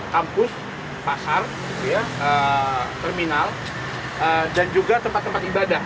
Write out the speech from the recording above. kampus pasar terminal dan juga tempat tempat ibadah